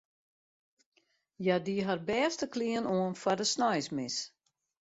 Hja die har bêste klean oan foar de sneinsmis.